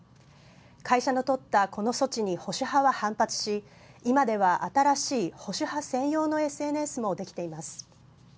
会社の取ったこの措置に保守派は反発し今では新しい保守派専用のＳＮＳもできています。